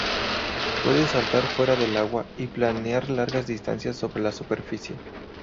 Puede saltar fuera del agua y planear largas distancias sobre la superficie.